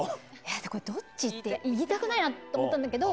でもこれ、どっちって、言いたくないなって思ったんだけど。